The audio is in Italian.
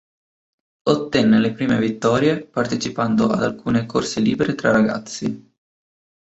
Ottenne le prime vittorie partecipando ad alcune corse libere tra ragazzi.